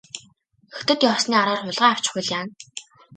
Хятад явсны араар хулгай авчихвал яана.